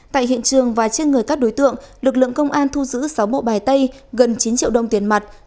tại hiện trường và trên người các đối tượng lực lượng công an thu giữ sáu bộ bài tay gần chín triệu đồng tiền mặt